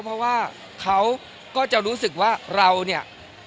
เพราะว่าเขาก็จะรู้สึกว่าเราเนี่ย